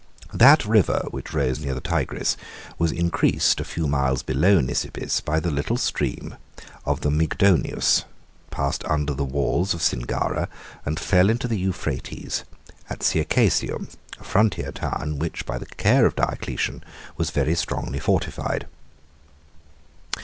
77 That river, which rose near the Tigris, was increased, a few miles below Nisibis, by the little stream of the Mygdonius, passed under the walls of Singara, and fell into the Euphrates at Circesium, a frontier town, which, by the care of Diocletian, was very strongly fortified.